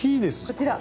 こちら。